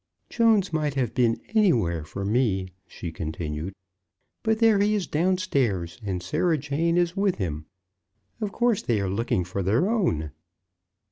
"Jones might have been anywhere for me," she continued; "but there he is downstairs, and Sarah Jane is with him. Of course they are looking for their own."